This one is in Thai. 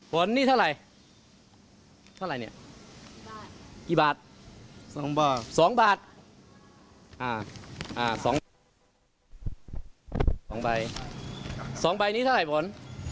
ผลนี้เท่าไหร่๒บาท๒ใบนี้เท่าไหร่ผล